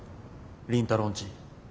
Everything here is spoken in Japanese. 倫太郎んち。